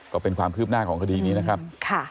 ก็เป็นความคืบหน้าของคดีนี้นะครับ